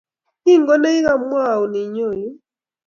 kingo negigamwaun Inyo yuu?